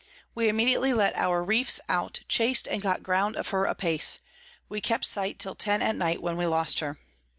We immediately let our Reefs out, chas'd and got ground of her apace: we kept sight till ten at night, when we lost her.